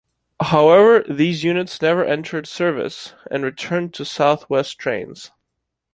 However, these units never entered service and returned to South West Trains.